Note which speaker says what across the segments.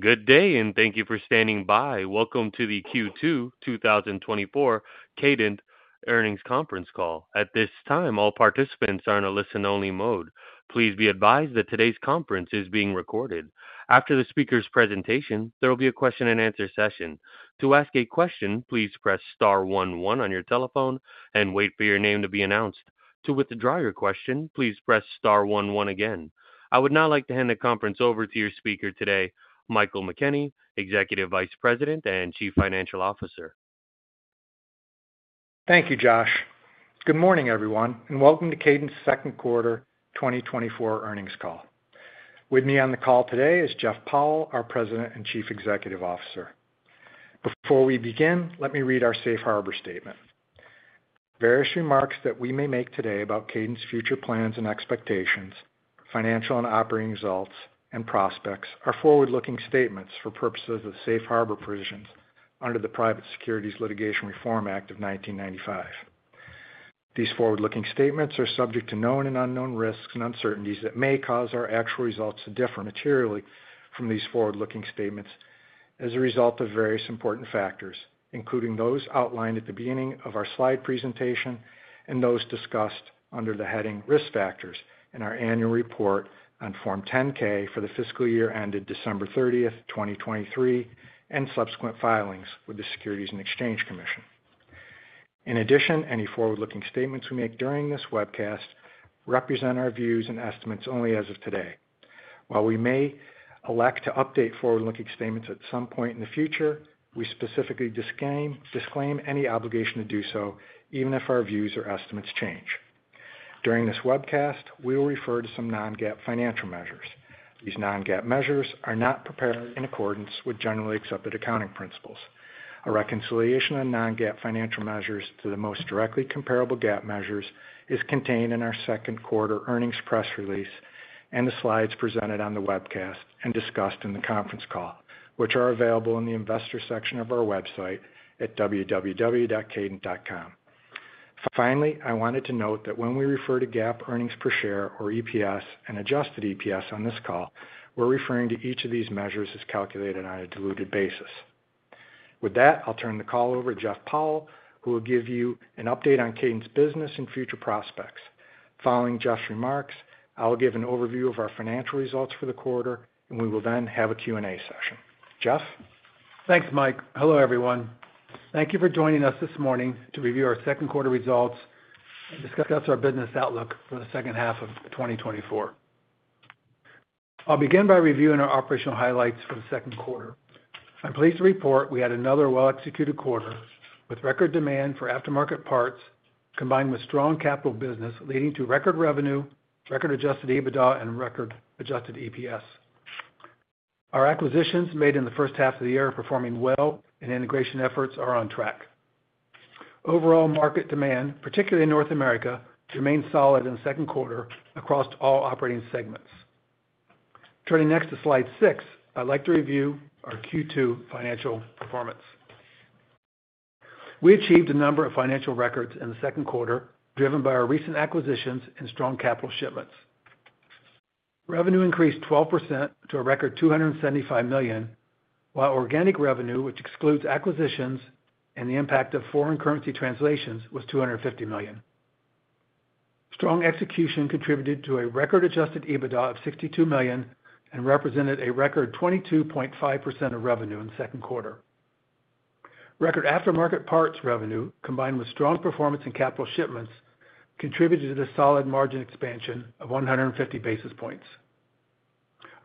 Speaker 1: Good day, and thank you for standing by. Welcome to the Q2 2024 Kadant earnings conference call. At this time, all participants are in a listen-only mode. Please be advised that today's conference is being recorded. After the speaker's presentation, there will be a question-and-answer session. To ask a question, please press star one one on your telephone and wait for your name to be announced. To withdraw your question, please press star one one again. I would now like to hand the conference over to your speaker today, Michael McKenney, Executive Vice President and Chief Financial Officer.
Speaker 2: Thank you, Josh. Good morning, everyone, and welcome to Kadant's second quarter 2024 earnings call. With me on the call today is Jeff Powell, our President and Chief Executive Officer. Before we begin, let me read our Safe Harbor Statement. Various remarks that we may make today about Kadant's future plans and expectations, financial and operating results, and prospects are forward-looking statements for purposes of the Safe Harbor provisions under the Private Securities Litigation Reform Act of 1995. These forward-looking statements are subject to known and unknown risks and uncertainties that may cause our actual results to differ materially from these forward-looking statements as a result of various important factors, including those outlined at the beginning of our slide presentation and those discussed under the heading risk factors in our annual report on Form 10-K for the fiscal year ended December 30, 2023, and subsequent filings with the Securities and Exchange Commission. In addition, any forward-looking statements we make during this webcast represent our views and estimates only as of today. While we may elect to update forward-looking statements at some point in the future, we specifically disclaim any obligation to do so, even if our views or estimates change. During this webcast, we will refer to some non-GAAP financial measures. These non-GAAP measures are not prepared in accordance with generally accepted accounting principles. A reconciliation on non-GAAP financial measures to the most directly comparable GAAP measures is contained in our second quarter earnings press release and the slides presented on the webcast and discussed in the conference call, which are available in the investor section of our website at www.kadant.com. Finally, I wanted to note that when we refer to GAAP earnings per share, or EPS, and adjusted EPS on this call, we're referring to each of these measures as calculated on a diluted basis. With that, I'll turn the call over to Jeff Powell, who will give you an update on Kadant's business and future prospects. Following Jeff's remarks, I'll give an overview of our financial results for the quarter, and we will then have a Q&A session. Jeff?
Speaker 3: Thanks, Mike. Hello, everyone. Thank you for joining us this morning to review our second quarter results and discuss our business outlook for the second half of 2024. I'll begin by reviewing our operational highlights for the second quarter. I'm pleased to report we had another well-executed quarter with record demand for aftermarket parts combined with strong capital business leading to record revenue, record adjusted EBITDA, and record adjusted EPS. Our acquisitions made in the first half of the year are performing well, and integration efforts are on track. Overall market demand, particularly in North America, remained solid in the second quarter across all operating segments. Turning next to slide six, I'd like to review our Q2 financial performance. We achieved a number of financial records in the second quarter driven by our recent acquisitions and strong capital shipments. Revenue increased 12% to a record $275 million, while organic revenue, which excludes acquisitions and the impact of foreign currency translations, was $250 million. Strong execution contributed to a record adjusted EBITDA of $62 million and represented a record 22.5% of revenue in the second quarter. Record aftermarket parts revenue, combined with strong performance and capital shipments, contributed to the solid margin expansion of 150 basis points.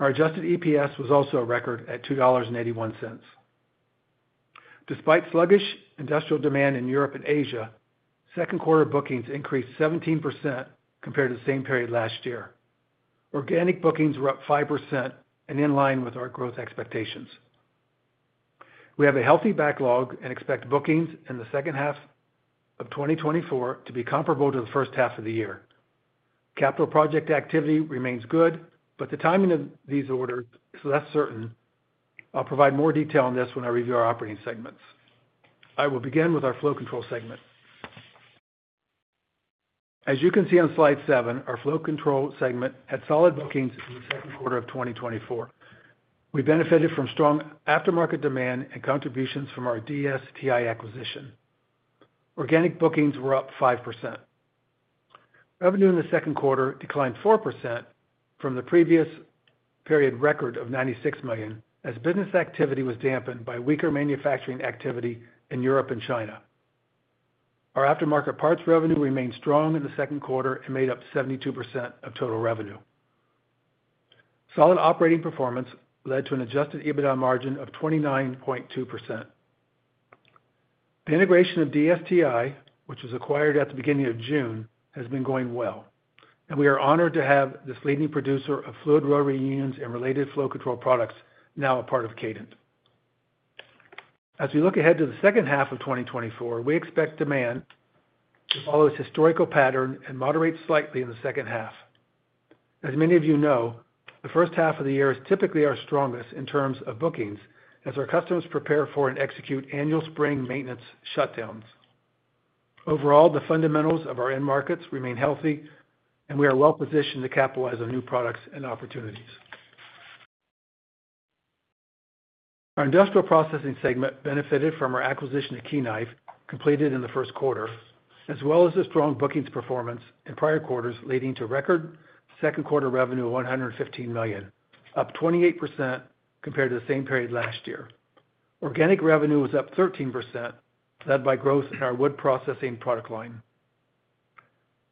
Speaker 3: Our adjusted EPS was also a record at $2.81. Despite sluggish industrial demand in Europe and Asia, second quarter bookings increased 17% compared to the same period last year. Organic bookings were up 5% and in line with our growth expectations. We have a healthy backlog and expect bookings in the second half of 2024 to be comparable to the first half of the year. Capital project activity remains good, but the timing of these orders is less certain. I'll provide more detail on this when I review our operating segments. I will begin with our Flow Control segment. As you can see on slide seven, our Flow Control segment had solid bookings in the second quarter of 2024. We benefited from strong aftermarket demand and contributions from our DSTI acquisition. Organic bookings were up 5%. Revenue in the second quarter declined 4% from the previous period record of $96 million as business activity was dampened by weaker manufacturing activity in Europe and China. Our aftermarket parts revenue remained strong in the second quarter and made up 72% of total revenue. Solid operating performance led to an Adjusted EBITDA margin of 29.2%. The integration of DSTI, which was acquired at the beginning of June, has been going well, and we are honored to have this leading producer of fluid rotary unions and related flow control products now a part of Kadant. As we look ahead to the second half of 2024, we expect demand to follow its historical pattern and moderate slightly in the second half. As many of you know, the first half of the year is typically our strongest in terms of bookings as our customers prepare for and execute annual spring maintenance shutdowns. Overall, the fundamentals of our end markets remain healthy, and we are well-positioned to capitalize on new products and opportunities. Our Industrial Processing segment benefited from our acquisition of Key Knife, completed in the first quarter, as well as the strong bookings performance in prior quarters, leading to record second quarter revenue of $115 million, up 28% compared to the same period last year. Organic Revenue was up 13%, led by growth in our wood processing product line.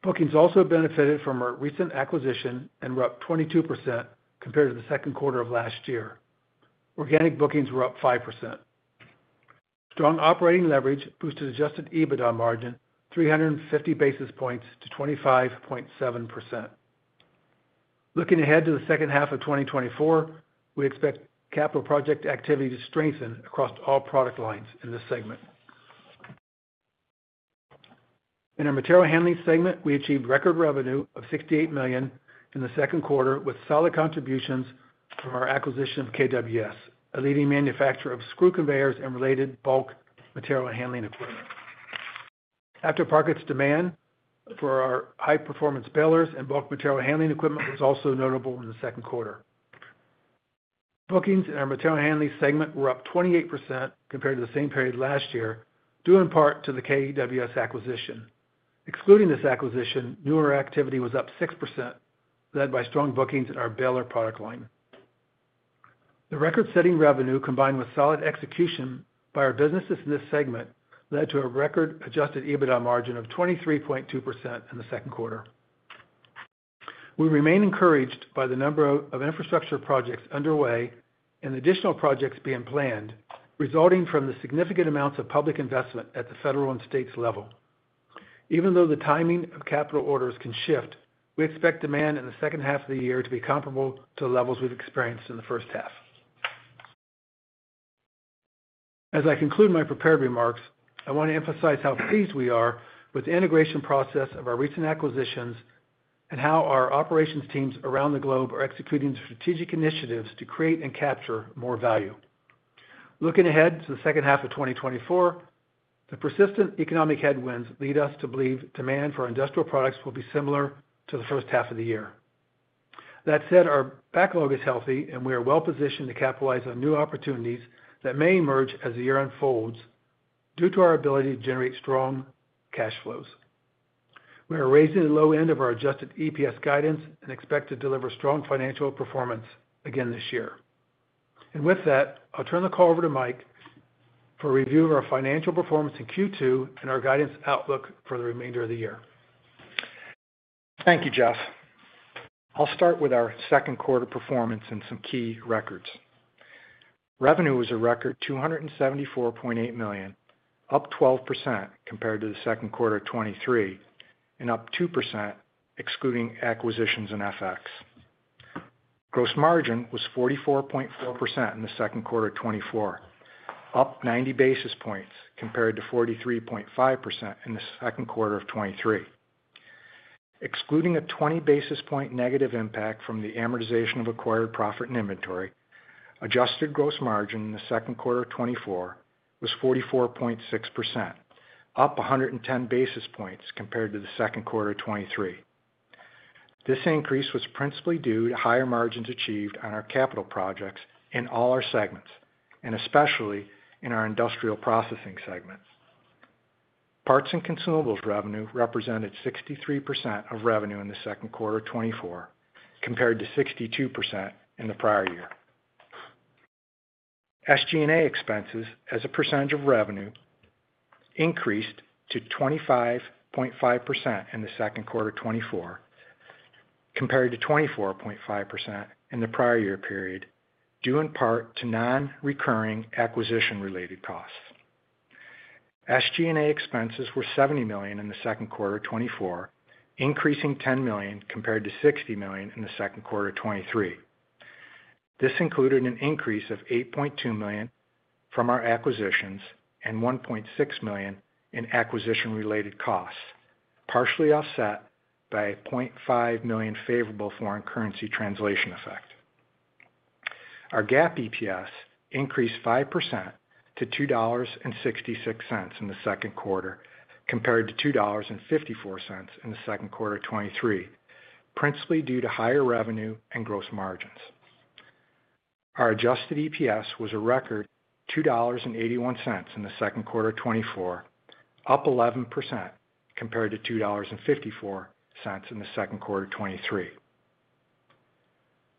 Speaker 3: Bookings also benefited from our recent acquisition and were up 22% compared to the second quarter of last year. Organic bookings were up 5%. Strong operating leverage boosted Adjusted EBITDA margin 350 basis points to 25.7%. Looking ahead to the second half of 2024, we expect capital project activity to strengthen across all product lines in this segment. In our Material Handling Segment, we achieved record revenue of $68 million in the second quarter with solid contributions from our acquisition of KWS, a leading manufacturer of screw conveyors and related bulk material handling equipment. Aftermarket demand for our high-performance balers and bulk material handling equipment was also notable in the second quarter. Bookings in our Material Handling Segment were up 28% compared to the same period last year, due in part to the KWS acquisition. Excluding this acquisition, order activity was up 6%, led by strong bookings in our baler product line. The record-setting revenue, combined with solid execution by our businesses in this segment, led to a record adjusted EBITDA margin of 23.2% in the second quarter. We remain encouraged by the number of infrastructure projects underway and the additional projects being planned, resulting from the significant amounts of public investment at the federal and state level. Even though the timing of capital orders can shift, we expect demand in the second half of the year to be comparable to the levels we've experienced in the first half. As I conclude my prepared remarks, I want to emphasize how pleased we are with the integration process of our recent acquisitions and how our operations teams around the globe are executing strategic initiatives to create and capture more value. Looking ahead to the second half of 2024, the persistent economic headwinds lead us to believe demand for industrial products will be similar to the first half of the year. That said, our backlog is healthy, and we are well-positioned to capitalize on new opportunities that may emerge as the year unfolds due to our ability to generate strong cash flows. We are raising the low end of our Adjusted EPS guidance and expect to deliver strong financial performance again this year. With that, I'll turn the call over to Mike for a review of our financial performance in Q2 and our guidance outlook for the remainder of the year.
Speaker 2: Thank you, Jeff. I'll start with our second quarter performance and some key records. Revenue was a record $274.8 million, up 12% compared to the second quarter of 2023, and up 2%, excluding acquisitions and FX. Gross margin was 44.4% in the second quarter of 2024, up 90 basis points compared to 43.5% in the second quarter of 2023. Excluding a 20 basis point negative impact from the amortization of acquired profit and inventory, adjusted gross margin in the second quarter of 2024 was 44.6%, up 110 basis points compared to the second quarter of 2023. This increase was principally due to higher margins achieved on our capital projects in all our segments, and especially in our Industrial Processing segments. Parts and consumables revenue represented 63% of revenue in the second quarter of 2024, compared to 62% in the prior year. SG&A expenses, as a percentage of revenue, increased to 25.5% in the second quarter of 2024, compared to 24.5% in the prior year period, due in part to non-recurring acquisition-related costs. SG&A expenses were $70 million in the second quarter of 2024, increasing $10 million compared to $60 million in the second quarter of 2023. This included an increase of $8.2 million from our acquisitions and $1.6 million in acquisition-related costs, partially offset by a $0.5 million favorable foreign currency translation effect. Our GAAP EPS increased 5% to $2.66 in the second quarter, compared to $2.54 in the second quarter of 2023, principally due to higher revenue and gross margins. Our adjusted EPS was a record $2.81 in the second quarter of 2024, up 11% compared to $2.54 in the second quarter of 2023.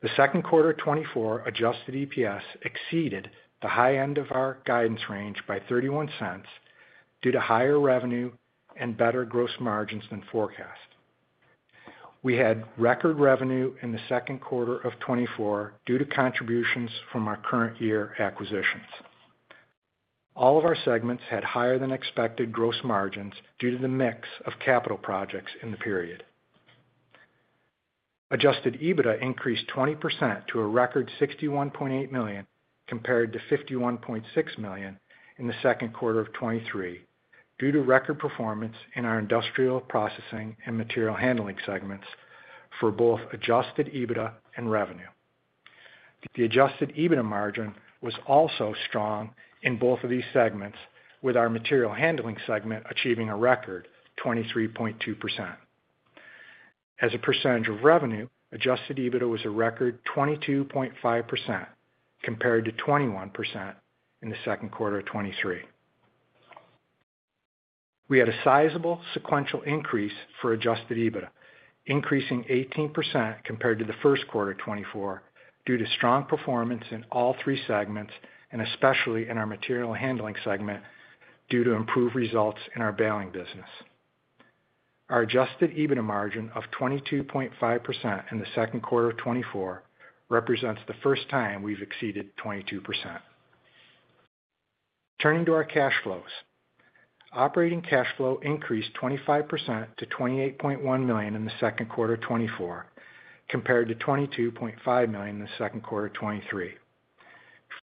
Speaker 2: The second quarter of 2024 Adjusted EPS exceeded the high end of our guidance range by $0.31 due to higher revenue and better gross margins than forecast. We had record revenue in the second quarter of 2024 due to contributions from our current year acquisitions. All of our segments had higher-than-expected gross margins due to the mix of capital projects in the period. Adjusted EBITDA increased 20% to a record $61.8 million compared to $51.6 million in the second quarter of 2023, due to record performance in our Industrial Processing and Material Handling segments for both Adjusted EBITDA and revenue. The Adjusted EBITDA margin was also strong in both of these segments, with our Material Handling segment achieving a record 23.2%. As a percentage of revenue, Adjusted EBITDA was a record 22.5%, compared to 21% in the second quarter of 2023. We had a sizable sequential increase for Adjusted EBITDA, increasing 18% compared to the first quarter of 2024, due to strong performance in all three segments, and especially in our Material Handling Segment, due to improved results in our baling business. Our Adjusted EBITDA margin of 22.5% in the second quarter of 2024 represents the first time we've exceeded 22%. Turning to our cash flows, operating cash flow increased 25% to $28.1 million in the second quarter of 2024, compared to $22.5 million in the second quarter of 2023.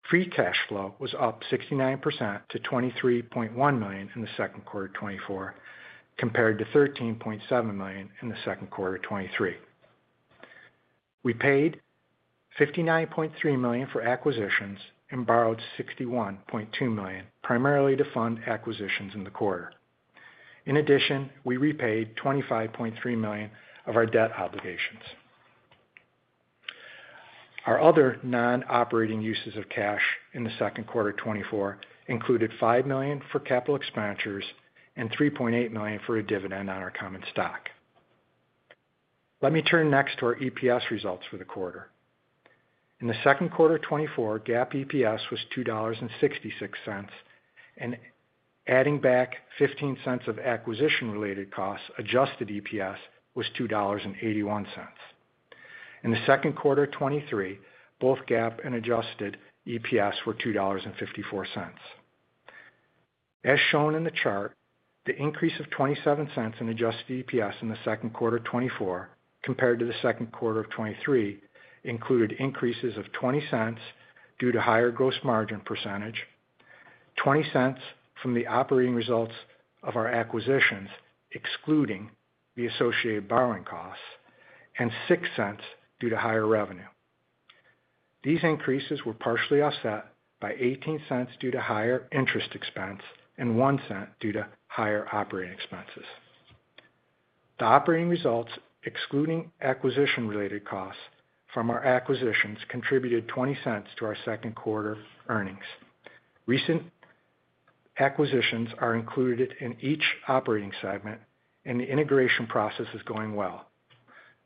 Speaker 2: Free Cash Flow was up 69% to $23.1 million in the second quarter of 2024, compared to $13.7 million in the second quarter of 2023. We paid $59.3 million for acquisitions and borrowed $61.2 million, primarily to fund acquisitions in the quarter. In addition, we repaid $25.3 million of our debt obligations. Our other non-operating uses of cash in the second quarter of 2024 included $5 million for capital expenditures and $3.8 million for a dividend on our common stock. Let me turn next to our EPS results for the quarter. In the second quarter of 2024, GAAP EPS was $2.66, and adding back $0.15 of acquisition-related costs, adjusted EPS was $2.81. In the second quarter of 2023, both GAAP and adjusted EPS were $2.54. As shown in the chart, the increase of $0.27 in adjusted EPS in the second quarter of 2024, compared to the second quarter of 2023, included increases of $0.20 due to higher gross margin percentage, $0.20 from the operating results of our acquisitions, excluding the associated borrowing costs, and $0.06 due to higher revenue. These increases were partially offset by $0.18 due to higher interest expense and $0.01 due to higher operating expenses. The operating results, excluding acquisition-related costs from our acquisitions, contributed $0.20 to our second quarter earnings. Recent acquisitions are included in each operating segment, and the integration process is going well.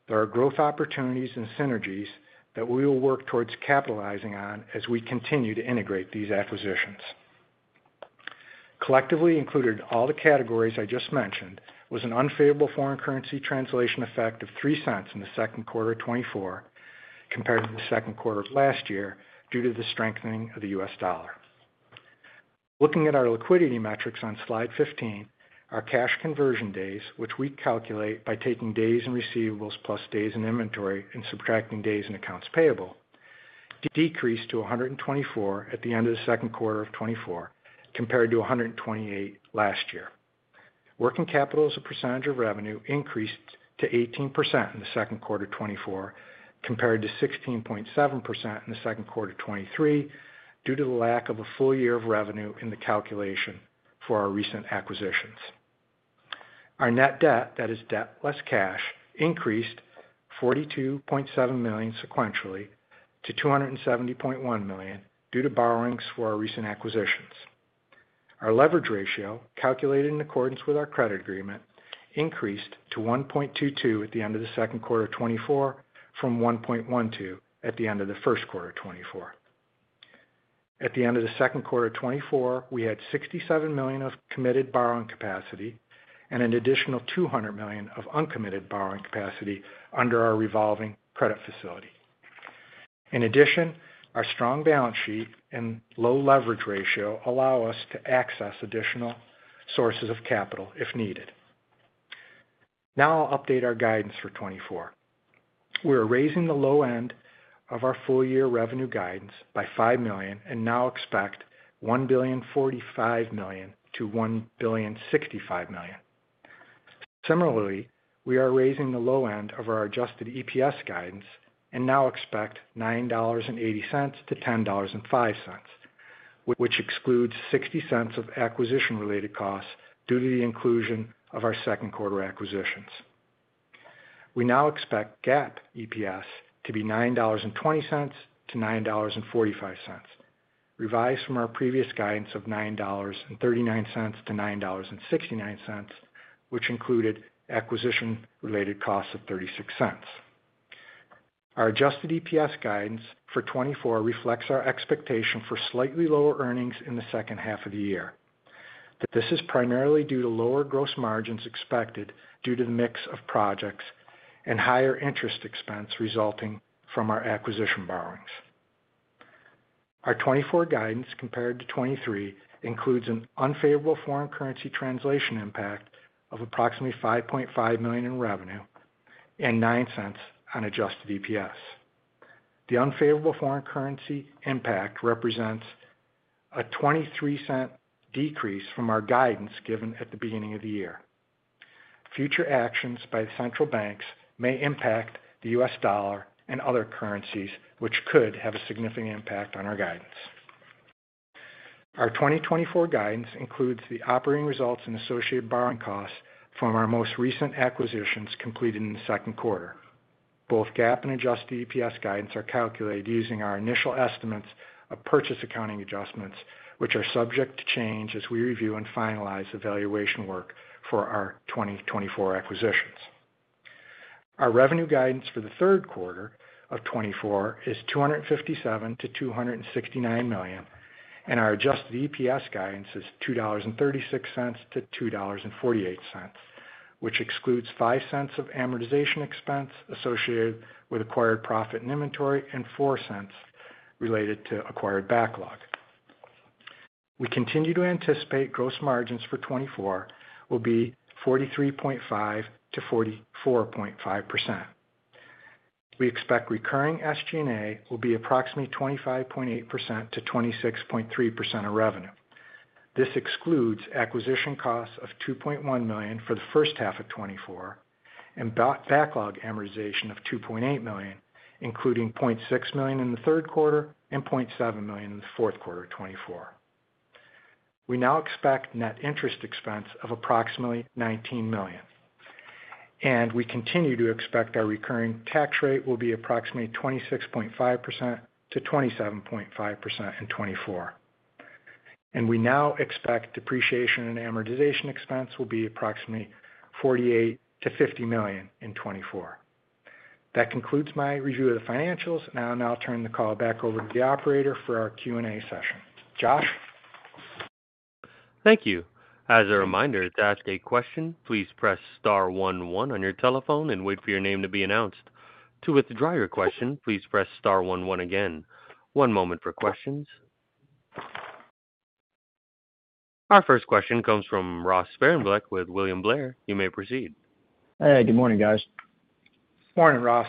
Speaker 2: There are growth opportunities and synergies that we will work towards capitalizing on as we continue to integrate these acquisitions. Collectively, included in all the categories I just mentioned, was an unfavorable foreign currency translation effect of $0.03 in the second quarter of 2024, compared to the second quarter of last year due to the strengthening of the U.S. dollar. Looking at our liquidity metrics on slide 15, our cash conversion days, which we calculate by taking days in receivables plus days in inventory and subtracting days in accounts payable, decreased to 124 at the end of the second quarter of 2024, compared to 128 last year. Working capital as a percentage of revenue increased to 18% in the second quarter of 2024, compared to 16.7% in the second quarter of 2023, due to the lack of a full year of revenue in the calculation for our recent acquisitions. Our net debt, that is debt less cash, increased $42.7 million sequentially to $270.1 million due to borrowings for our recent acquisitions. Our leverage ratio, calculated in accordance with our credit agreement, increased to 1.22 at the end of the second quarter of 2024 from 1.12 at the end of the first quarter of 2024. At the end of the second quarter of 2024, we had $67 million of committed borrowing capacity and an additional $200 million of uncommitted borrowing capacity under our revolving credit facility. In addition, our strong balance sheet and low leverage ratio allow us to access additional sources of capital if needed. Now I'll update our guidance for 2024. We are raising the low end of our full-year revenue guidance by $5 million and now expect $1.045 billion-$1.065 billion. Similarly, we are raising the low end of our adjusted EPS guidance and now expect $9.80-$10.05, which excludes $0.60 of acquisition-related costs due to the inclusion of our second quarter acquisitions. We now expect GAAP EPS to be $9.20-$9.45, revised from our previous guidance of $9.39-$9.69, which included acquisition-related costs of $0.36. Our adjusted EPS guidance for 2024 reflects our expectation for slightly lower earnings in the second half of the year. This is primarily due to lower gross margins expected due to the mix of projects and higher interest expense resulting from our acquisition borrowings. Our 2024 guidance compared to 2023 includes an unfavorable foreign currency translation impact of approximately $5.5 million in revenue and $0.09 on adjusted EPS. The unfavorable foreign currency impact represents a $0.23 decrease from our guidance given at the beginning of the year. Future actions by the central banks may impact the U.S. dollar and other currencies, which could have a significant impact on our guidance. Our 2024 guidance includes the operating results and associated borrowing costs from our most recent acquisitions completed in the second quarter. Both GAAP and adjusted EPS guidance are calculated using our initial estimates of purchase accounting adjustments, which are subject to change as we review and finalize evaluation work for our 2024 acquisitions. Our revenue guidance for the third quarter of 2024 is $257 million-$269 million, and our adjusted EPS guidance is $2.36-$2.48, which excludes $0.05 of amortization expense associated with acquired profit and inventory and $0.04 related to acquired backlog. We continue to anticipate gross margins for 2024 will be 43.5%-44.5%. We expect recurring SG&A will be approximately 25.8%-26.3% of revenue. This excludes acquisition costs of $2.1 million for the first half of 2024 and backlog amortization of $2.8 million, including $0.6 million in the third quarter and $0.7 million in the fourth quarter of 2024. We now expect net interest expense of approximately $19 million, and we continue to expect our recurring tax rate will be approximately 26.5%-27.5% in 2024. And we now expect depreciation and amortization expense will be approximately $48 million-$50 million in 2024. That concludes my review of the financials. Now I'll turn the call back over to the operator for our Q&A session. Josh.
Speaker 1: Thank you. As a reminder, to ask a question, please press star one one on your telephone and wait for your name to be announced. To withdraw your question, please press star one one again. One moment for questions. Our first question comes from Ross Sparenblek with William Blair. You may proceed.
Speaker 4: Hey, good morning, guys.
Speaker 3: Morning, Ross.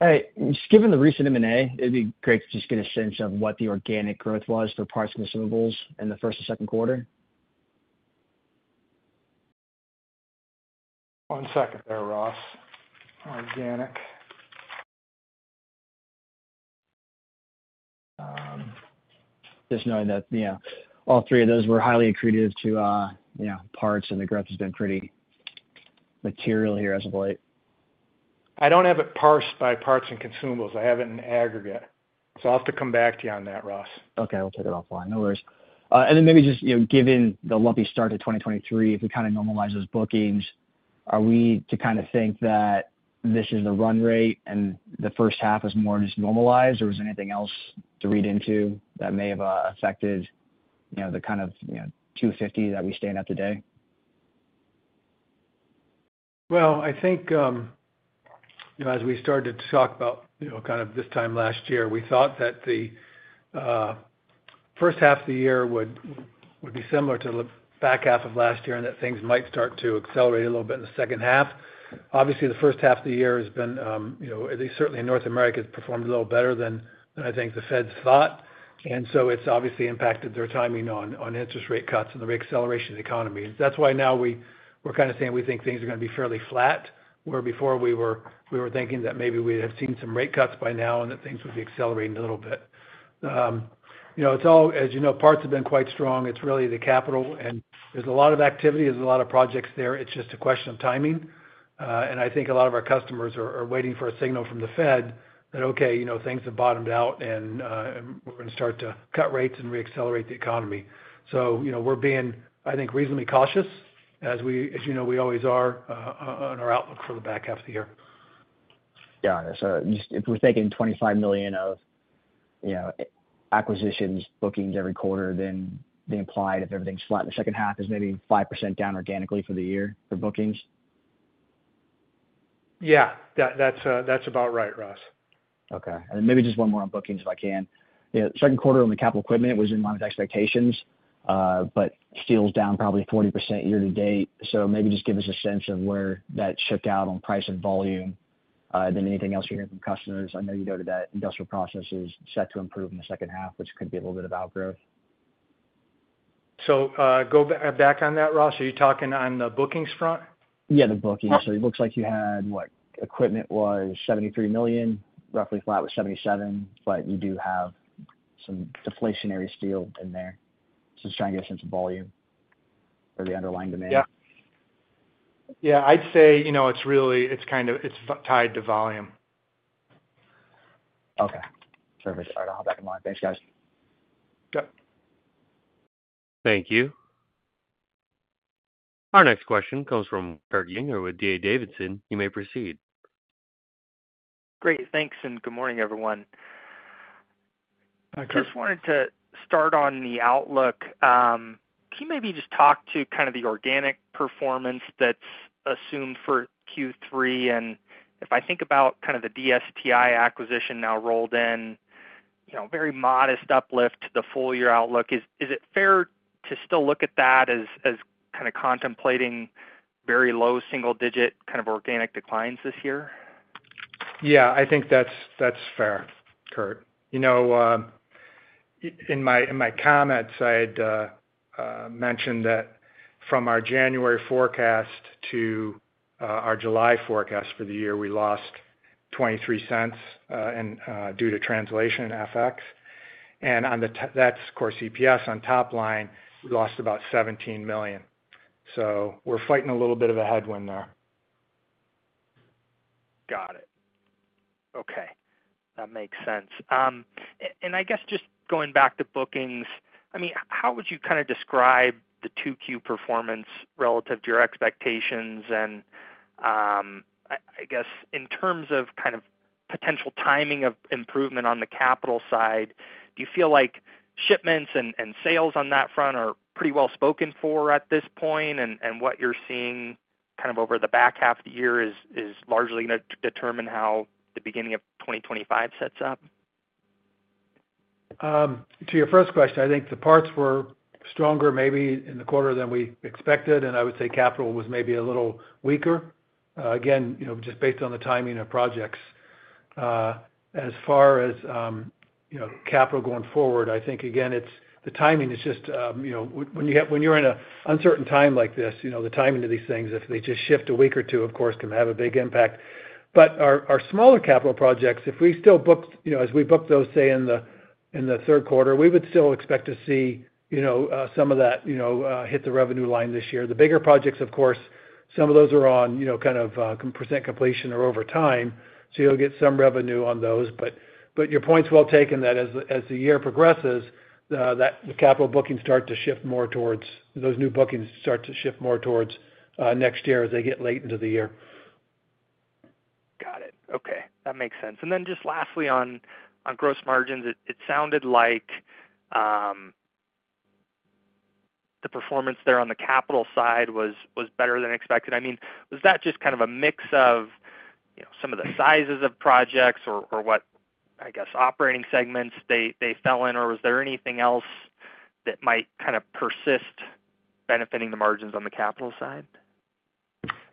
Speaker 4: Hey, just given the recent M&A, it'd be great to just get a sense of what the organic growth was for parts and consumables in the first and second quarter.
Speaker 3: One second there, Ross. Organic.
Speaker 4: Just knowing that all three of those were highly accretive to parts, and the growth has been pretty material here as of late.
Speaker 3: I don't have it parsed by parts and consumables. I have it in aggregate. So I'll have to come back to you on that, Ross.
Speaker 4: Okay, we'll take it offline. No worries. And then maybe just given the lumpy start to 2023, if we kind of normalize those bookings, are we to kind of think that this is the run rate and the first half is more just normalized, or is there anything else to read into that may have affected the kind of $250 that we stand at today?
Speaker 3: Well, I think as we started to talk about kind of this time last year, we thought that the first half of the year would be similar to the back half of last year and that things might start to accelerate a little bit in the second half. Obviously, the first half of the year has been, at least certainly in North America, has performed a little better than I think the Fed's thought. And so it's obviously impacted their timing on interest rate cuts and the reacceleration of the economy. That's why now we're kind of saying we think things are going to be fairly flat, where before we were thinking that maybe we had seen some rate cuts by now and that things would be accelerating a little bit. It's all, as you know, parts have been quite strong. It's really the capital, and there's a lot of activity. There's a lot of projects there. It's just a question of timing. And I think a lot of our customers are waiting for a signal from the Fed that, okay, things have bottomed out and we're going to start to cut rates and reaccelerate the economy. So we're being, I think, reasonably cautious, as you know we always are, on our outlook for the back half of the year.
Speaker 4: Yeah, if we're thinking $25 million of acquisitions bookings every quarter, then the implied if everything's flat in the second half is maybe 5% down organically for the year for bookings.
Speaker 3: Yeah, that's about right, Ross.
Speaker 4: Okay. And then maybe just one more on bookings if I can. The second quarter on the capital equipment was in line with expectations, but sales down probably 40% year to date. So maybe just give us a sense of where that shook out on price and volume. Then anything else you hear from customers? I know you noted that industrial process is set to improve in the second half, which could be a little bit of outgrowth.
Speaker 2: So go back on that, Ross. Are you talking on the bookings front?
Speaker 4: Yeah, the bookings. So it looks like you had, what, equipment was $73 million, roughly flat was $77 million, but you do have some deflationary steel in there. Just trying to get a sense of volume or the underlying demand.
Speaker 2: Yeah. Yeah, I'd say it's kind of tied to volume.
Speaker 4: Okay. Perfect. All right, I'll have that in mind. Thanks, guys.
Speaker 2: Yep.
Speaker 1: Thank you. Our next question comes from Kurt Yinger with D.A. Davidson. You may proceed.
Speaker 5: Great. Thanks and good morning, everyone. Just wanted to start on the outlook. Can you maybe just talk to kind of the organic performance that's assumed for Q3? And if I think about kind of the DSTI acquisition now rolled in, very modest uplift to the full-year outlook, is it fair to still look at that as kind of contemplating very low single-digit kind of organic declines this year?
Speaker 2: Yeah, I think that's fair, Kurt. In my comments, I had mentioned that from our January forecast to our July forecast for the year, we lost $0.23 due to translation FX. And that's, of course, EPS. On top line, we lost about $17 million. So we're fighting a little bit of a headwind there.
Speaker 5: Got it. Okay. That makes sense. And I guess just going back to bookings, I mean, how would you kind of describe the 2Q performance relative to your expectations? I guess in terms of kind of potential timing of improvement on the capital side, do you feel like shipments and sales on that front are pretty well spoken for at this point? What you're seeing kind of over the back half of the year is largely going to determine how the beginning of 2025 sets up?
Speaker 3: To your first question, I think the parts were stronger maybe in the quarter than we expected, and I would say capital was maybe a little weaker. Again, just based on the timing of projects. As far as capital going forward, I think, again, the timing is just when you're in an uncertain time like this, the timing of these things, if they just shift a week or two, of course, can have a big impact. But our smaller capital projects, if we still booked as we booked those, say, in the third quarter, we would still expect to see some of that hit the revenue line this year. The bigger projects, of course, some of those are on kind of percent completion or over time. So you'll get some revenue on those. But your point's well taken that as the year progresses, the capital bookings start to shift more towards those new bookings start to shift more towards next year as they get late into the year.
Speaker 5: Got it. Okay. That makes sense. And then just lastly on gross margins, it sounded like the performance there on the capital side was better than expected. I mean, was that just kind of a mix of some of the sizes of projects or what, I guess, operating segments they fell in? Or was there anything else that might kind of persist benefiting the margins on the capital side?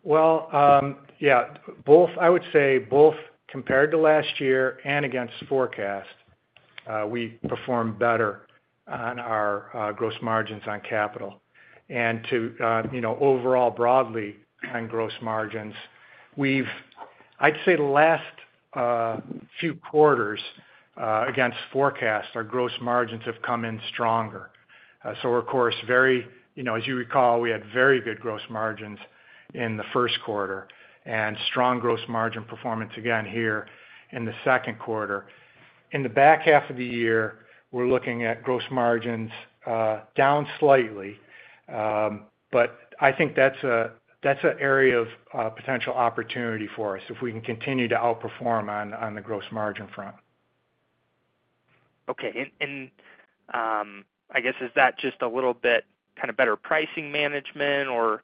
Speaker 2: Well, yeah, I would say both compared to last year and against forecast, we performed better on our gross margins on capital. And overall, broadly on gross margins, I'd say the last few quarters against forecast, our gross margins have come in stronger. So, of course, as you recall, we had very good gross margins in the first quarter and strong gross margin performance again here in the second quarter. In the back half of the year, we're looking at gross margins down slightly, but I think that's an area of potential opportunity for us if we can continue to outperform on the gross margin front.
Speaker 5: Okay. And I guess is that just a little bit kind of better pricing management or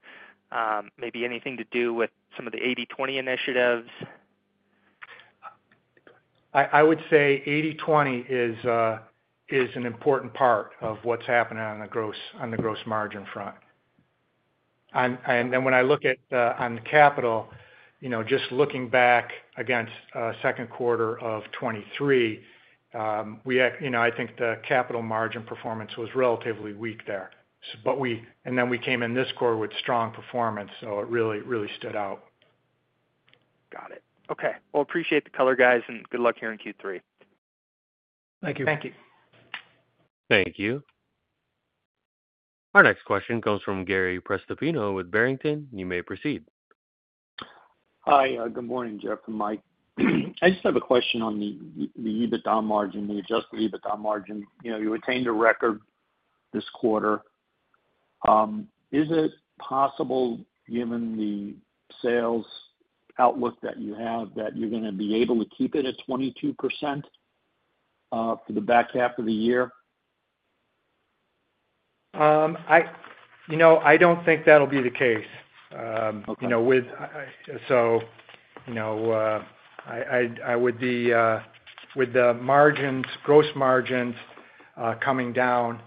Speaker 5: maybe anything to do with some of the 80/20 initiatives?
Speaker 2: I would say 80/20 is an important part of what's happening on the gross margin front. And then when I look at on capital, just looking back against second quarter of 2023, I think the capital margin performance was relatively weak there. And then we came in this quarter with strong performance, so it really stood out.
Speaker 5: Got it. Okay. Well, appreciate the color, guys, and good luck here in Q3.
Speaker 2: Thank you. Thank you.
Speaker 1: Thank you. Our next question comes from Gary Prestopino with Barrington. You may proceed.
Speaker 6: Hi. Good morning, Jeff and Mike. I just have a question on the EBITDA margin, the adjusted EBITDA margin. You attained a record this quarter. Is it possible, given the sales outlook that you have, that you're going to be able to keep it at 22% for the back half of the year?
Speaker 2: I don't think that'll be the case. So, I would be with the margins, gross margins coming down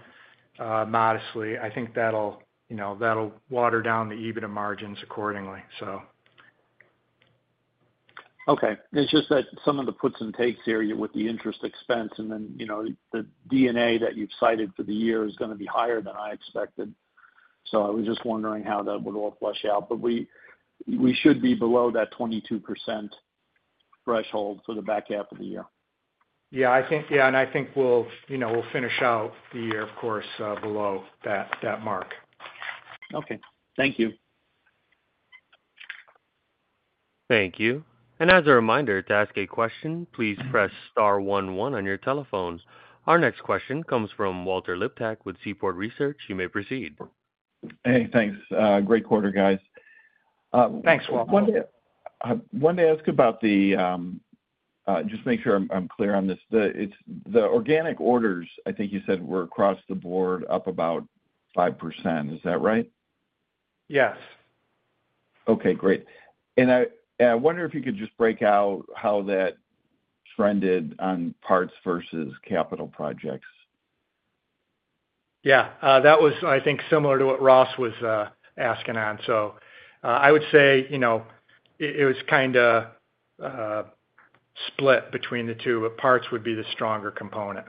Speaker 2: modestly. I think that'll water down the EBITDA margins accordingly, so.
Speaker 6: Okay. It's just that some of the puts and takes there are with the interest expense and then the D&A that you've cited for the year is going to be higher than I expected. So, I was just wondering how that would all play out. But we should be below that 22% threshold for the back half of the year.
Speaker 2: Yeah, and I think we'll finish out the year, of course, below that mark.
Speaker 6: Okay. Thank you.
Speaker 1: Thank you. And as a reminder to ask a question, please press star one one on your telephone. Our next question comes from Walter Liptak with Seaport Research. You may proceed.
Speaker 7: Hey, thanks. Great quarter, guys.
Speaker 2: Thanks, Walter.
Speaker 7: One day I asked about this just to make sure I'm clear on this. The organic orders, I think you said, were across the board up about 5%. Is that right?
Speaker 2: Yes.
Speaker 7: Okay, great. And I wonder if you could just break out how that trended on parts versus capital projects.
Speaker 3: Yeah. That was, I think, similar to what Ross was asking on. So I would say it was kind of split between the two, but parts would be the stronger component.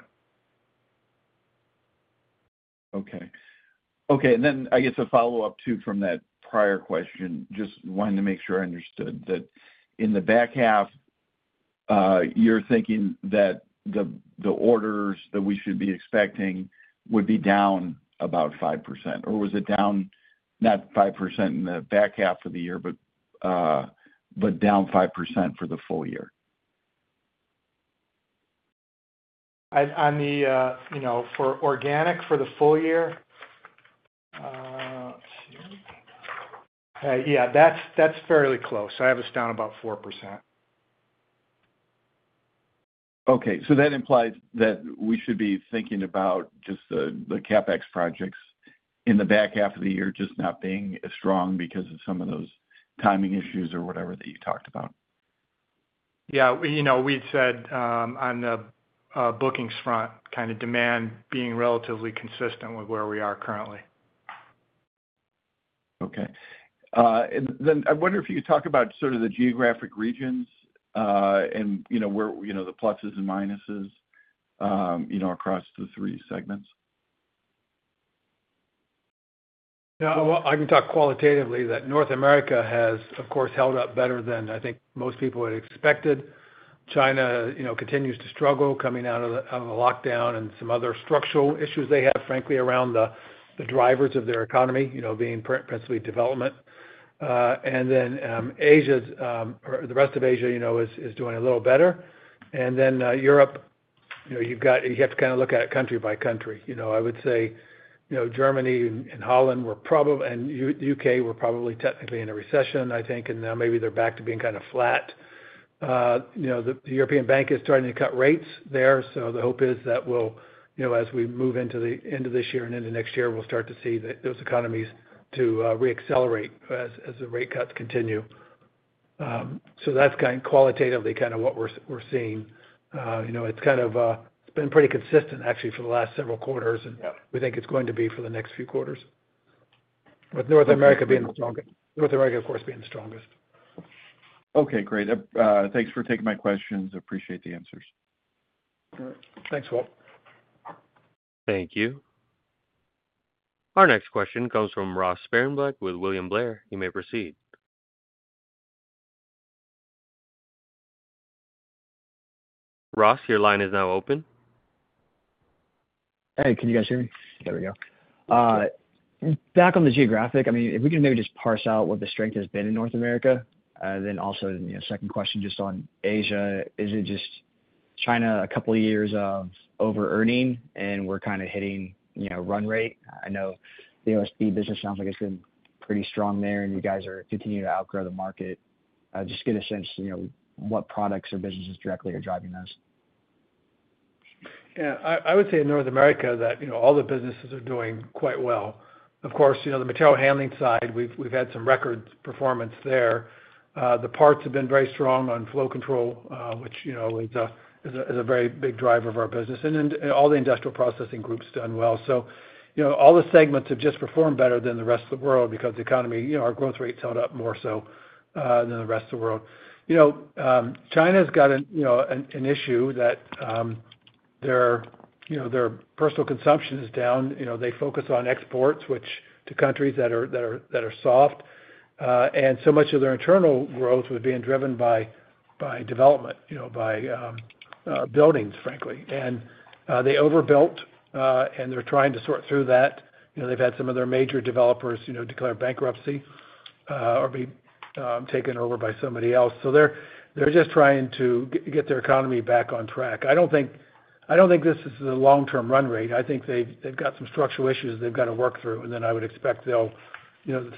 Speaker 7: Okay. Okay. And then I guess a follow-up too from that prior question, just wanting to make sure I understood that in the back half, you're thinking that the orders that we should be expecting would be down about 5%. Or was it down not 5% in the back half of the year, but down 5% for the full year?
Speaker 2: On the for organic for the full year, let's see. Yeah, that's fairly close. I have us down about 4%. Okay.
Speaker 7: So that implies that we should be thinking about just the CapEx projects in the back half of the year just not being as strong because of some of those timing issues or whatever that you talked about.
Speaker 2: Yeah. We'd said on the bookings front, kind of demand being relatively consistent with where we are currently.
Speaker 7: Okay. Then I wonder if you could talk about sort of the geographic regions and the pluses and minuses across the three segments.
Speaker 3: Yeah. Well, I can talk qualitatively that North America has, of course, held up better than I think most people had expected. China continues to struggle coming out of the lockdown and some other structural issues they have, frankly, around the drivers of their economy being principally development. And then Asia, or the rest of Asia, is doing a little better. And then Europe, you have to kind of look at it country by country. I would say Germany and Holland were probably and the U.K. were probably technically in a recession, I think, and now maybe they're back to being kind of flat. The European Bank is starting to cut rates there. So the hope is that as we move into the end of this year and into next year, we'll start to see those economies to reaccelerate as the rate cuts continue. So that's kind of qualitatively kind of what we're seeing. It's kind of been pretty consistent, actually, for the last several quarters, and we think it's going to be for the next few quarters, with North America being the strongest. North America, of course, being the strongest.
Speaker 7: Okay, great. Thanks for taking my questions. Appreciate the answers. All right.
Speaker 3: Thanks, Walter.
Speaker 1: Thank you. Our next question comes from Ross Sparenblek with William Blair. You may proceed. Ross, your line is now open.
Speaker 4: Hey, can you guys hear me? There we go. Back on the geographic, I mean, if we can maybe just parse out what the strength has been in North America, then also second question just on Asia, is it just China a couple of years of over-earning and we're kind of hitting run rate? I know the OSB business sounds like it's been pretty strong there, and you guys are continuing to outgrow the market. Just get a sense of what products or businesses directly are driving those.
Speaker 3: Yeah. I would say in North America that all the businesses are doing quite well. Of course, the Material Handling side, we've had some record performance there. The parts have been very strong on Flow Control, which is a very big driver of our business. And then all the Industrial Processing groups done well. So all the segments have just performed better than the rest of the world because the economy, our growth rate's held up more so than the rest of the world. China's got an issue that their personal consumption is down. They focus on exports, which to countries that are soft. And so much of their internal growth was being driven by development, by buildings, frankly. And they overbuilt, and they're trying to sort through that. They've had some of their major developers declare bankruptcy or be taken over by somebody else. So they're just trying to get their economy back on track. I don't think this is the long-term run rate. I think they've got some structural issues they've got to work through. Then I would expect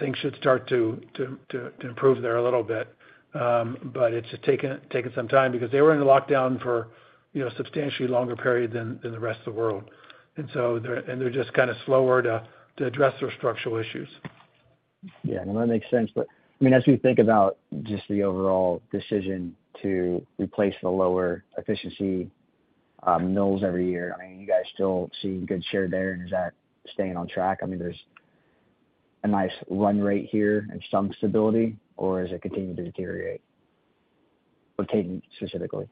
Speaker 3: things should start to improve there a little bit. But it's just taken some time because they were in a lockdown for a substantially longer period than the rest of the world. And they're just kind of slower to address their structural issues.
Speaker 4: Yeah. No, that makes sense. But I mean, as we think about just the overall decision to replace the lower efficiency mills every year, I mean, you guys still see good share there. And is that staying on track? I mean, there's a nice run rate here and some stability, or is it continuing to deteriorate? What are you taking specifically?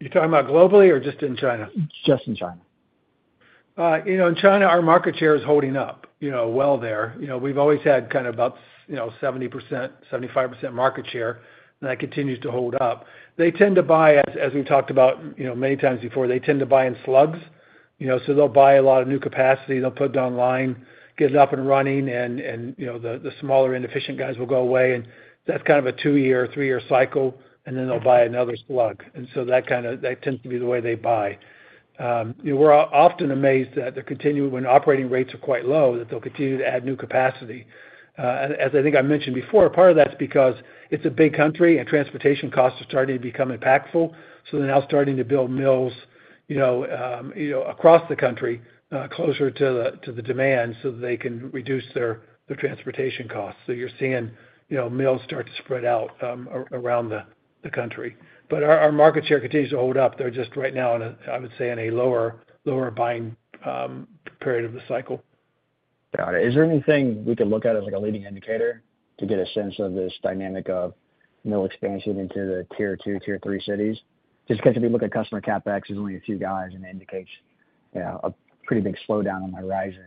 Speaker 3: You're talking about globally or just in China?
Speaker 4: Just in China.
Speaker 3: In China, our market share is holding up well there. We've always had kind of about 70%-75% market share, and that continues to hold up. They tend to buy, as we've talked about many times before, they tend to buy in slugs. So they'll buy a lot of new capacity. They'll put it online, get it up and running, and the smaller inefficient guys will go away. That's kind of a two-year, three-year cycle, and then they'll buy another slug. So that tends to be the way they buy. We're often amazed that when operating rates are quite low, that they'll continue to add new capacity. As I think I mentioned before, part of that's because it's a big country and transportation costs are starting to become impactful. So they're now starting to build mills across the country closer to the demand so that they can reduce their transportation costs. So you're seeing mills start to spread out around the country. But our market share continues to hold up. They're just right now, I would say, in a lower buying period of the cycle.
Speaker 4: Got it. Is there anything we can look at as a leading indicator to get a sense of this dynamic of mill expansion into the tier two, tier three cities? Just because if you look at customer CapEx, there's only a few guys, and it indicates a pretty big slowdown on the horizon,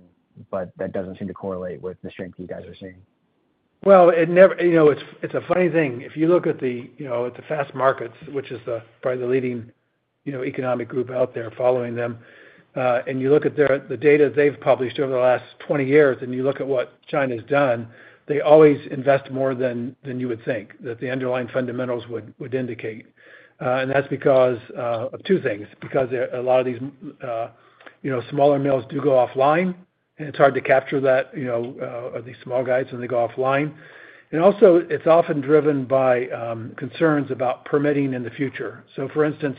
Speaker 4: but that doesn't seem to correlate with the strength you guys are seeing.
Speaker 3: Well, it's a funny thing. If you look at the Fastmarkets, which is probably the leading economic group out there following them, and you look at the data they've published over the last 20 years, and you look at what China's done, they always invest more than you would think, that the underlying fundamentals would indicate. That's because of 2 things. Because a lot of these smaller mills do go offline, and it's hard to capture that, these small guys, when they go offline. And also, it's often driven by concerns about permitting in the future. So, for instance,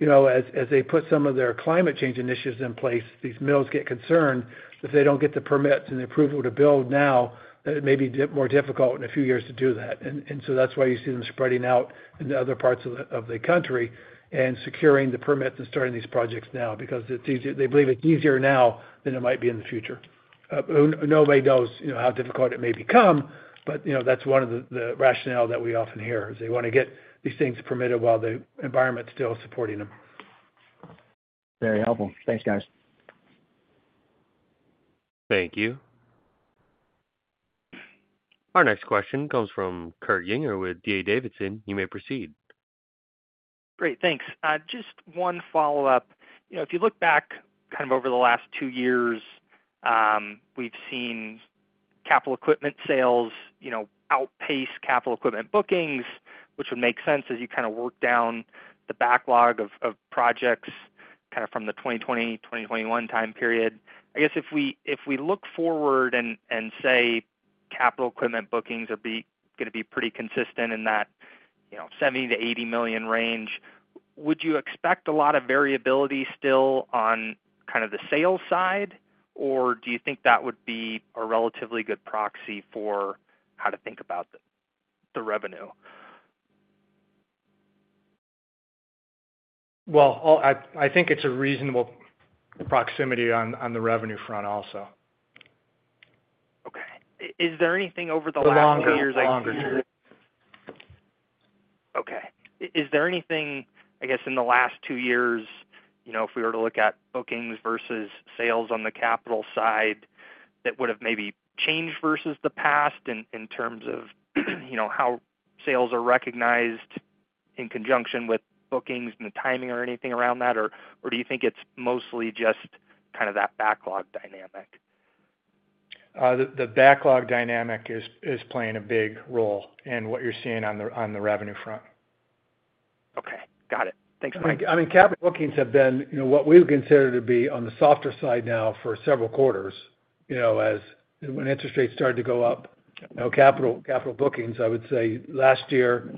Speaker 3: as they put some of their climate change initiatives in place, these mills get concerned that if they don't get the permits and the approval to build now, that it may be more difficult in a few years to do that. And so that's why you see them spreading out into other parts of the country and securing the permits and starting these projects now because they believe it's easier now than it might be in the future. Nobody knows how difficult it may become, but that's one of the rationale that we often hear is they want to get these things permitted while the environment's still supporting them.
Speaker 4: Very helpful. Thanks, guys.
Speaker 1: Thank you. Our next question comes from Kurt Yinger with D.A. Davidson. You may proceed.
Speaker 5: Great. Thanks. Just one follow-up. If you look back kind of over the last two years, we've seen capital equipment sales outpace capital equipment bookings, which would make sense as you kind of work down the backlog of projects kind of from the 2020, 2021 time period. I guess if we look forward and say capital equipment bookings are going to be pretty consistent in that $70 million-$80 million range, would you expect a lot of variability still on kind of the sales side, or do you think that would be a relatively good proxy for how to think about the revenue?
Speaker 2: Well, I think it's a reasonable proxy on the revenue front also.
Speaker 5: Okay. Is there anything over the last two years?
Speaker 2: The longer-term.
Speaker 5: Okay. Is there anything, I guess, in the last 2 years, if we were to look at bookings versus sales on the capital side, that would have maybe changed versus the past in terms of how sales are recognized in conjunction with bookings and the timing or anything around that, or do you think it's mostly just kind of that backlog dynamic?
Speaker 2: The backlog dynamic is playing a big role in what you're seeing on the revenue front.
Speaker 5: Okay. Got it. Thanks, Mike.
Speaker 3: I mean, capital bookings have been what we would consider to be on the softer side now for several quarters as when interest rates started to go up. Capital bookings, I would say, last year,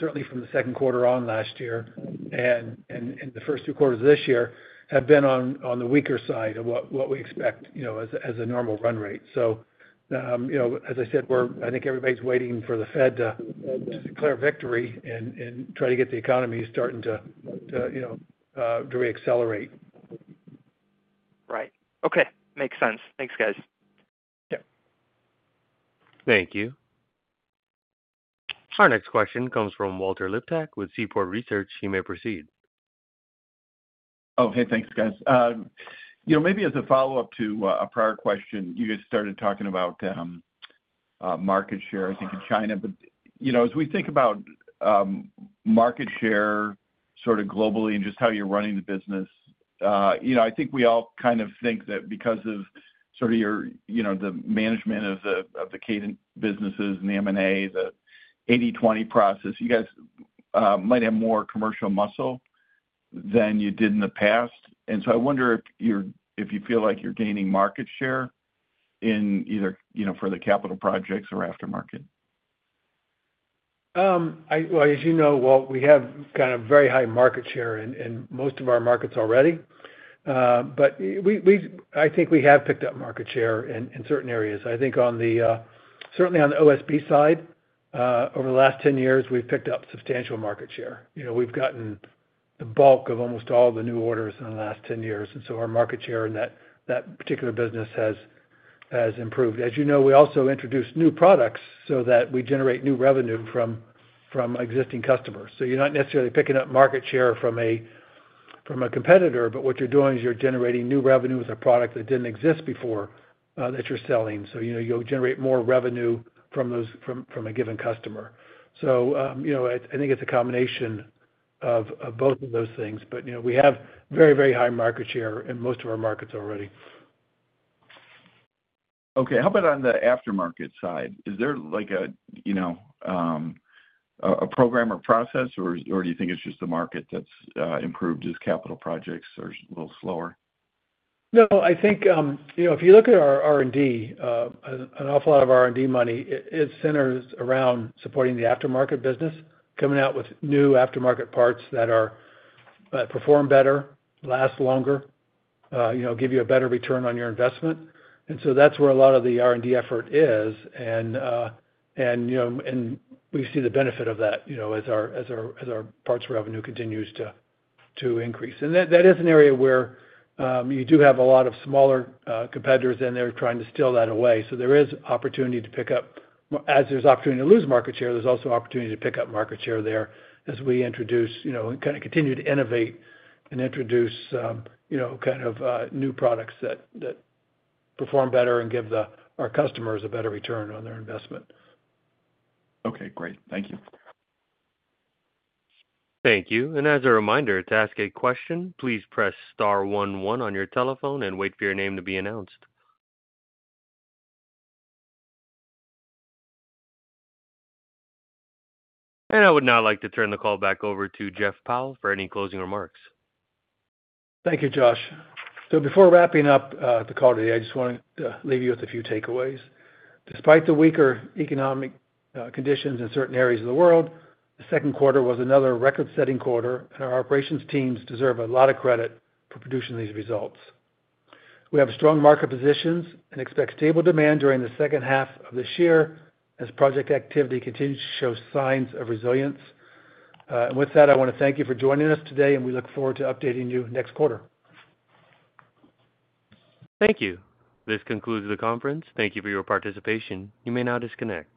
Speaker 3: certainly from the second quarter on last year and the first 2 quarters of this year, have been on the weaker side of what we expect as a normal run rate. So, as I said, I think everybody's waiting for the Fed to declare victory and try to get the economy starting to reaccelerate.
Speaker 5: Right. Okay. Makes sense. Thanks, guys.
Speaker 3: Yeah.
Speaker 1: Thank you. Our next question comes from Walter Liptak with Seaport Research Partners. You may proceed.
Speaker 7: Oh, hey, thanks, guys. Maybe as a follow-up to a prior question, you guys started talking about market share, I think, in China. But as we think about market share sort of globally and just how you're running the business, I think we all kind of think that because of sort of the management of the Kadant businesses and the M&A, the 80/20 process, you guys might have more commercial muscle than you did in the past. And so I wonder if you feel like you're gaining market share either for the capital projects or aftermarket.
Speaker 3: Well, as you know, Walt, we have kind of very high market share in most of our markets already. But I think we have picked up market share in certain areas. I think certainly on the OSB side, over the last 10 years, we've picked up substantial market share. We've gotten the bulk of almost all the new orders in the last 10 years. And so our market share in that particular business has improved. As you know, we also introduced new products so that we generate new revenue from existing customers. So you're not necessarily picking up market share from a competitor, but what you're doing is you're generating new revenue with a product that didn't exist before that you're selling. So you'll generate more revenue from a given customer. So I think it's a combination of both of those things. But we have very, very high market share in most of our markets already.
Speaker 7: Okay. How about on the aftermarket side? Is there a program or process, or do you think it's just the market that's improved as capital projects are a little slower?
Speaker 3: No, I think if you look at our R&D, an awful lot of our R&D money is centered around supporting the aftermarket business, coming out with new aftermarket parts that perform better, last longer, give you a better return on your investment. And so that's where a lot of the R&D effort is. And we see the benefit of that as our parts revenue continues to increase. And that is an area where you do have a lot of smaller competitors in there trying to steal that away. So there is opportunity to pick up. As there's opportunity to lose market share, there's also opportunity to pick up market share there as we introduce and kind of continue to innovate and introduce kind of new products that perform better and give our customers a better return on their investment.
Speaker 7: Okay. Great. Thank you.
Speaker 1: Thank you. As a reminder, to ask a question, please press star one one on your telephone and wait for your name to be announced. I would now like to turn the call back over to Jeff Powell for any closing remarks.
Speaker 3: Thank you, Josh. Before wrapping up the call today, I just wanted to leave you with a few takeaways. Despite the weaker economic conditions in certain areas of the world, the second quarter was another record-setting quarter, and our operations teams deserve a lot of credit for producing these results. We have strong market positions and expect stable demand during the second half of this year as project activity continues to show signs of resilience. With that, I want to thank you for joining us today, and we look forward to updating you next quarter.
Speaker 1: Thank you. This concludes the conference. Thank you for your participation. You may now disconnect.